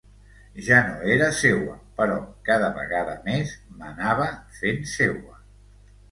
Jo no era seua, però cada vegada més m'anava fent seua.